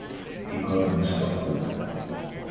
エクアドルの首都はキトである